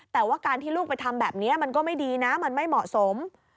แต่ว่าการที่ลูกไปทำแบบนี้มันก็ไม่ดีนะมันไม่เหมาะสม